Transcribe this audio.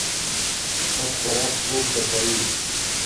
سپک خوراک خوب ښه کوي.